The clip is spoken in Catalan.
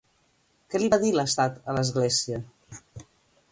Què li va dir l'Estat a l'Església?